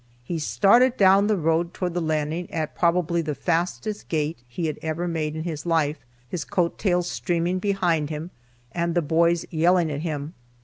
He started down the road toward the landing at probably the fastest gait he had ever made in his life, his coat tails streaming behind him, and the boys yelling at him.